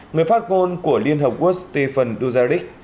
người phát ngôn của liên hợp quốc stephen duzerich